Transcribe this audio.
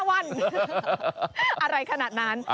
อะไรขนาดนั้น